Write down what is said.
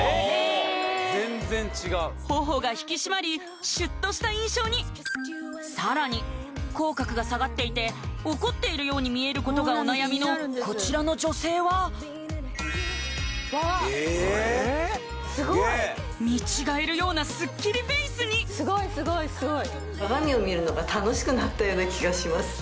全然違う頬が引き締まりシュッとした印象にさらに口角が下がっていて怒っているように見えることがお悩みのこちらの女性はわあすごいええ見違えるようなスッキリフェイスにすごいすごいすごいような気がします